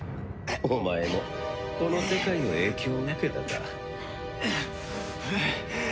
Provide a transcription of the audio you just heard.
お前もこの世界の影響を受けたか。